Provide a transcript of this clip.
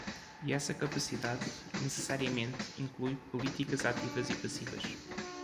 E essa capacidade, necessariamente, inclui políticas ativas e passivas.